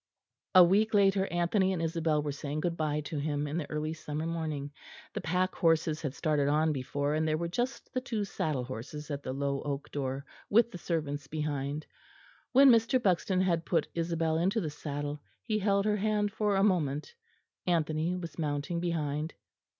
A week later Anthony and Isabel were saying good bye to him in the early summer morning: the pack horses had started on before, and there were just the two saddle horses at the low oak door, with the servants' behind. When Mr. Buxton had put Isabel into the saddle, he held her hand for a moment; Anthony was mounting behind.